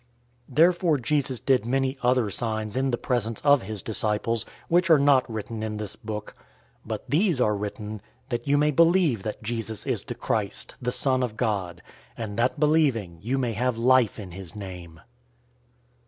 020:030 Therefore Jesus did many other signs in the presence of his disciples, which are not written in this book; 020:031 but these are written, that you may believe that Jesus is the Christ, the Son of God, and that believing you may have life in his name.